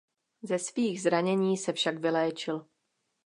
Ze svých zranění se však vyléčil.